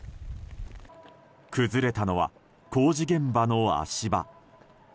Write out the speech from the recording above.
崩れたのは工事現場の足場。